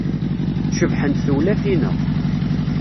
Cebḥent tewlafin-a.